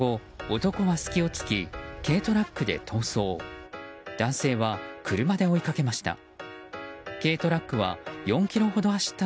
男性は、車で追いかけました。